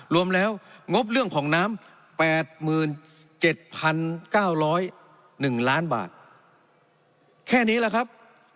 รวมแล้วงบเรื่องของน้ำแปดหมื่นเจ็ดพันเก้าร้อยหนึ่งล้านบาทแค่นี้แหละครับ